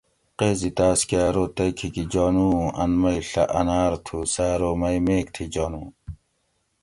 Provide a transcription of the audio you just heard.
قیضی تاۤس کہ ارو تئی کھیکی جانو اُوں ان مئی ڷہ آنار تھو؟ سہ ارو مئی میک تھی جانو